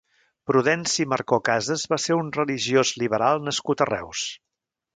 Prudenci Marcó Casas va ser un religiós liberal nascut a Reus.